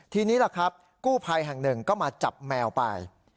ทีนี้ล่ะครับกู้ภัยแห่งหนึ่งก็มาจับแมวไป